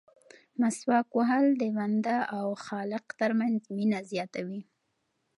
مسواک وهل د بنده او خالق ترمنځ مینه زیاتوي.